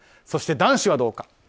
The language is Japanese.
そして男子はどうか。